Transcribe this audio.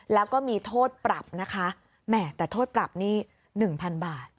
แล้วก็มีโทษปรับนะคะแหมแต่โทษปรับนี่๑๐๐๐บาท